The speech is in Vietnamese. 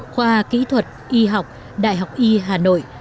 khoa kỹ thuật y học đại học y hà nội